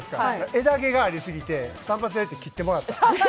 枝毛がありすぎて、散髪屋にいって切ってもらった。